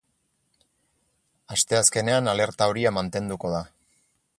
Asteazkenean alerta horia mantenduko da.